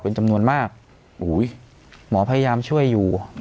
เป็นจำนวนมากโอ้โหหมอพยายามช่วยอยู่